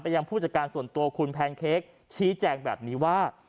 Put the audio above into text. ยังผู้จัดการส่วนตัวคุณแพนเค้กชี้แจงแบบนี้ว่า